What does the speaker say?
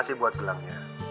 makasih buat gelangnya